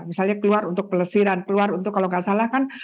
misalnya keluar untuk pelesiran keluar untuk kalau nggak salah kan